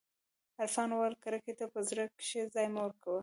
عرفان وويل کرکې ته په زړه کښې ځاى مه ورکوه.